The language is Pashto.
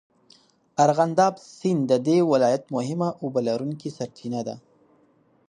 ارغنداب سیند د دې ولایت مهمه اوبهلرونکې سرچینه ده.